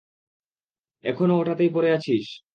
এখনও ওটাতেই পড়ে আছিস!